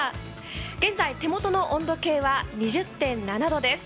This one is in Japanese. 現在、手元の温度計は２０．７度です。